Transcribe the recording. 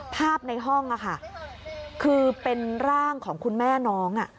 ภาพในห้องคือเป็นร่างของคุณแม่น้อง